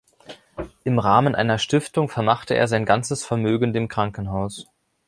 Im Rahmen einer Stiftung vermachte er sein ganzes Vermögen dem Krankenhaus.